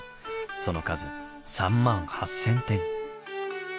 その数３８，０００点。